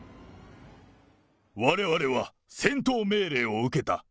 われわれは戦闘命令を受けた。